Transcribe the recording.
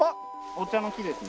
お茶の木ですね